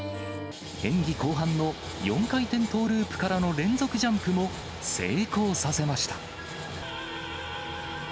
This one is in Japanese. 演技後半の４回転トーループからの連続ジャンプも成功させました。